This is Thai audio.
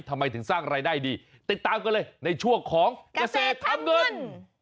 ทำไมถึงสร้างรายได้ดีติดตามกันเลยในช่วงของเกษตรทำเงิน